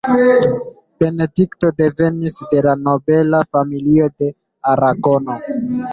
Benedikto devenis de nobela familio de Aragono.